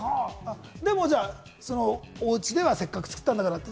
でもおうちではせっかく作ったんだからって。